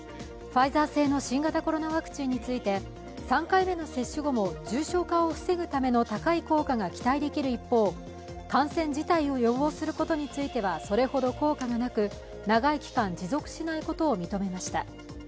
ファイザー製の新型コロナワクチンについて３回目の接種後も重症化を防ぐための高い効果が期待できる一方、感染自体を予防することについてはそれほど効果がなく、長い期間持続しないことを認めました。